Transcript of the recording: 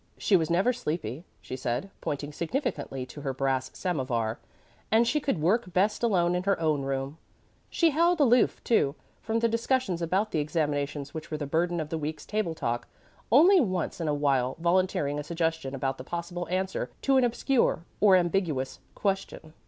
She was never sleepy, she said, pointing significantly to her brass samovar, and she could work best alone in her own room. She held aloof, too, from the discussions about the examinations which were the burden of the week's table talk, only once in a while volunteering a suggestion about the possible answer to an obscure or ambiguous question.